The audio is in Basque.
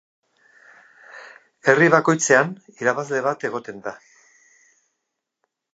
Herri bakoitzean irabazle bat egoten da.